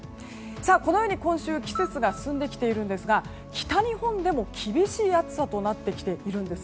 このように今週季節が進んできていますが北日本でも厳しい暑さとなってきているんです。